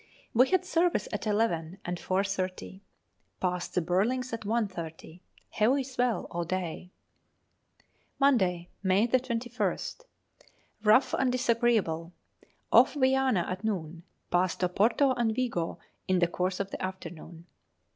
We had service at eleven and 4.30. Passed the Burlings at 1.30. Heavy swell all day. Monday, May 21st. Rough and disagreeable. Off Viana at noon. Passed Oporto and Vigo in the course of the afternoon.